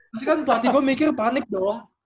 nanti kan pelatih gue mikir panik dong